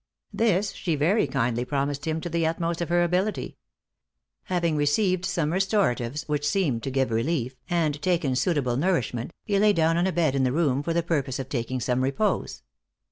This she very kindly promised him to the utmost of her ability. Having received some restoratives, which seemed to give relief, and taken suitable nourishment, he lay down on a bed in the room for the purpose of taking some repose.